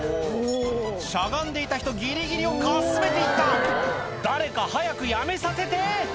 しゃがんでいた人ギリギリをかすめていった誰か早くやめさせて！